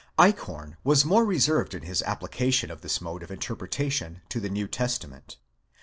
Eichhorn was more reserved in his application of this mode of interpreta tion to the New Testament.